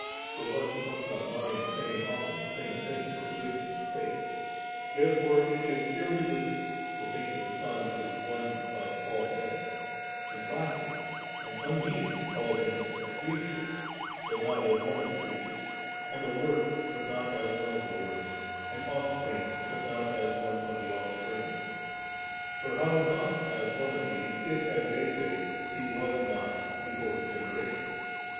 (For one must not mind saying often the same thing for religion's sake.) Therefore it is irreli gious to think that the Son is one of all things ; and blasphemous and unmeaning to call Him *a creature, but not as one of the creatures, and a work, but not as one of the works, an offsprings but not as one of the offsprings ;* for how not as one of these, i^ as they say, He was not before His generation »